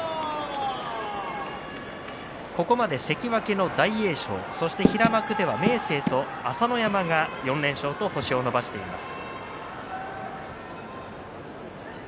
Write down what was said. ここまで関脇の大栄翔平幕では明生と朝乃山が４連勝と星を伸ばしています。